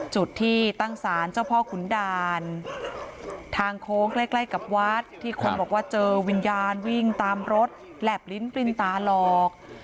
จุดที่ตั้งศาลเจ้าพ่อขุนด่านทางโค้งใกล้ใกล้กับวัดที่คนบอกว่าเจอวิญญาณวิ่งตามรถแหลบลิ้นปรินตาหลอก